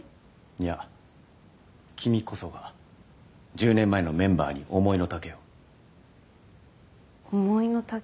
いや君こそが１０年前のメンバーに思いの丈を思いの丈？